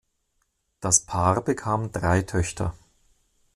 Das Paar bekam drei Töchter.